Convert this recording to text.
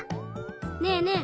ねえねえ。